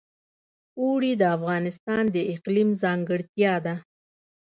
اوړي د افغانستان د اقلیم ځانګړتیا ده.